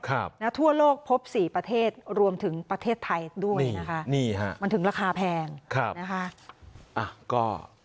และทั่วโลกพบ๔ประเทศรวมถึงประเทศไทยด้วยนะคะมันถึงราคาแพงนะคะ